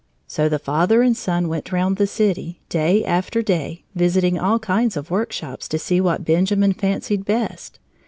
So the father and son went round the city, day after day, visiting all kinds of work shops to see what Benjamin fancied best.